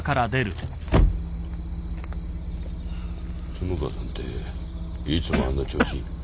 角田さんっていつもあんな調子？